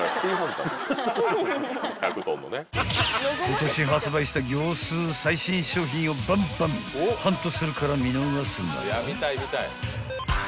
［今年発売した業スー最新商品をばんばんハントするから見逃すなよ］